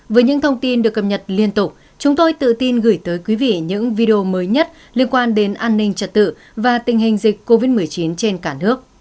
với những thông tin được cập nhật liên tục chúng tôi tự tin gửi tới quý vị những video mới nhất liên quan đến an ninh trật tự và tình hình dịch covid một mươi chín trên cả nước